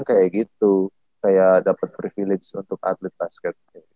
ya kayak gitu kayak dapet privilege untuk atlet basket